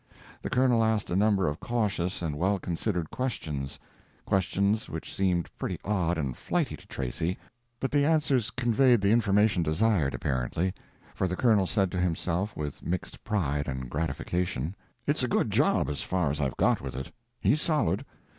The colonel asked a number of cautious and well considered questions—questions which seemed pretty odd and flighty to Tracy—but the answers conveyed the information desired, apparently, for the colonel said to himself, with mixed pride and gratification: "It's a good job as far as I've got with it. He's solid.